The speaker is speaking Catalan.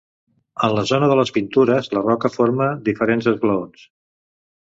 En la zona de les pintures la roca forma diferents esglaons.